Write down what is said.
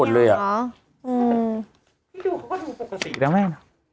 พี่ดูเขาก็ดูปกติแล้วแม่